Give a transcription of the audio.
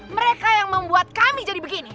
mereka yang membuat kami jadi begini